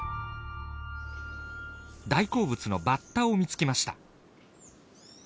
大好物のバッタを見つけました。